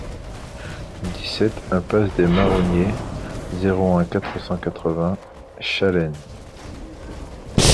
dix-sept impasse des Marronniers, zéro un, quatre cent quatre-vingts Chaleins